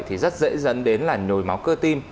thì rất dễ dẫn đến là nhồi máu cơ tim